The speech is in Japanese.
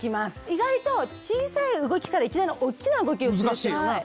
意外と小さい動きからいきなりおっきな動きをするっていうのが。